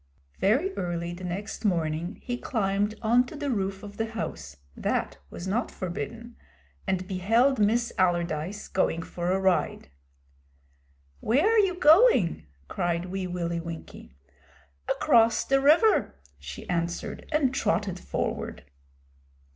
Very early the next morning he climbed on to the roof of the house that was not forbidden and beheld Miss Allardyce going for a ride. 'Where are you going?' cried Wee Willie Winkie. 'Across the river,' she answered, and trotted forward.